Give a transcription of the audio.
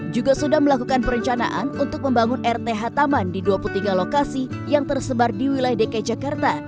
juga sudah melakukan perencanaan untuk membangun rth taman di dua puluh tiga lokasi yang tersebar di wilayah dki jakarta